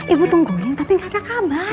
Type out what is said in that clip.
ibu tungguin tapi gak ada kabar